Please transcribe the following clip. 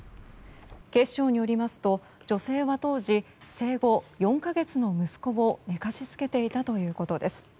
警視庁によりますと女性は当時、生後４か月の息子を寝かしつけていたということです。